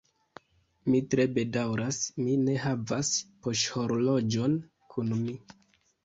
Mi tre bedaŭras, mi ne havas poŝhorloĝon kun mi.